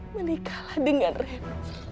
menikahlah dengan reno